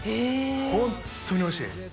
本当においしいです。